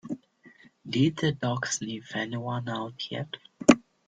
Did the dog sniff anyone out yet?